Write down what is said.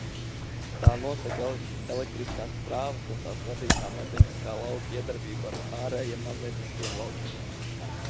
Tā nosaka elektriskās strāvas un tās radītā magnētiskā lauka iedarbību ar ārējiem magnētiskajiem laukiem.